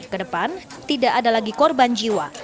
ke depan tidak ada lagi korban jiwa